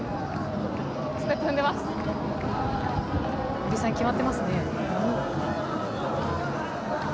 森さん、決まってますね。